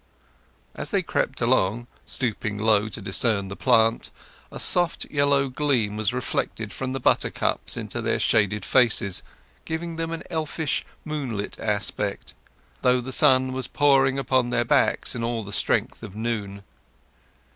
As they crept along, stooping low to discern the plant, a soft yellow gleam was reflected from the buttercups into their shaded faces, giving them an elfish, moonlit aspect, though the sun was pouring upon their backs in all the strength of noon.